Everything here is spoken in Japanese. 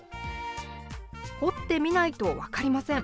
掘ってみないと分かりません。